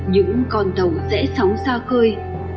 những con tàu dễ sóng xa khơi